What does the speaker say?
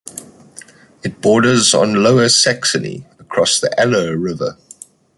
It borders on Lower Saxony, across the Aller river.